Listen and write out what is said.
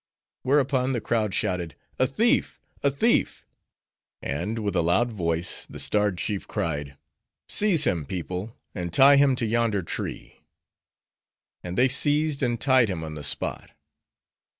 Whereupon the crowd shouted, "A thief! a thief!" And with a loud voice the starred chief cried—"Seize him, people, and tie him to yonder tree." And they seized, and tied him on the spot.